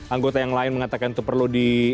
anggota yang lain mengatakan itu perlu di